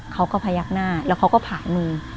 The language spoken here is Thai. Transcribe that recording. เขาก็พยักหน้าแล้วเขาก็ผ่านมือ